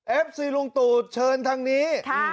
ซีลุงตู่เชิญทางนี้